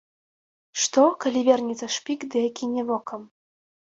Што, калі вернецца шпік ды акіне вокам?